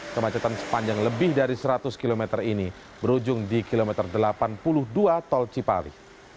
kemacetan sepanjang lebih dari seratus km ini berujung di kilometer delapan puluh dua tol cipali